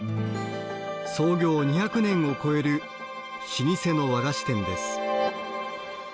創業２００年を超える老舗の和菓子店です。